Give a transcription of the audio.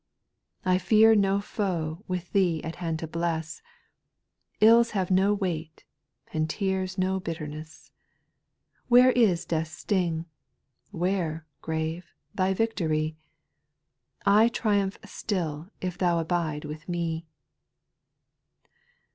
5. I fear no foe with Thee at hand to bless, Ills have no weight, and tears no bitterness ; Where is death's sting ? Where, grave, thy victory ? I triumph still if Thou abide with me.